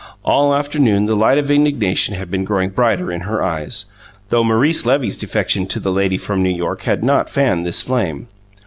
All afternoon the light of indignation had been growing brighter in her eyes, though Maurice Levy's defection to the lady from New York had not fanned this flame.